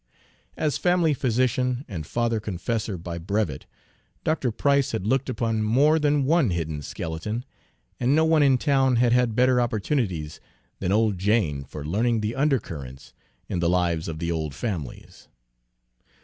As family physician, and father confessor by brevet, Dr. Price had looked upon more than one hidden skeleton; and no one in town had had better opportunities than old Jane for learning the undercurrents in the lives of the old families.